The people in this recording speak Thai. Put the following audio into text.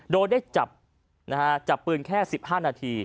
โดยได้จับปืนแค่๑๕นาที